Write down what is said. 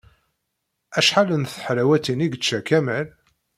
Acḥal n teḥlawatin i yečča Kamal?